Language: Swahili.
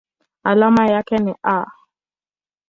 Alama yake ni Ar.